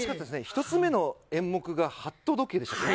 １つ目の演目が、鳩時計でしたね。